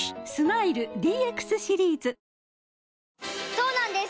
そうなんです